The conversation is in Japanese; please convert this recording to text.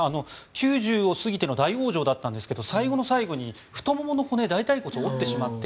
９０を過ぎての大往生だったんですが最後の最後に太ももの骨大腿骨を折ってしまって